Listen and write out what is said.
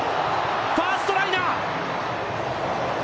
ファーストライナー！